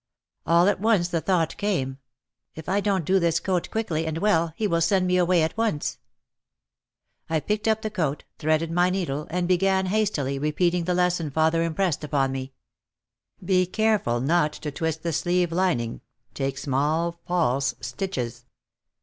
All at once the thought came: "If I don't do this coat quickly and well he will send me away at once." I picked up the coat, threaded my needle, and began hastily, repeating the lesson father impressed upon me. "Be careful not to twist the sleeve lining, take small false stitches."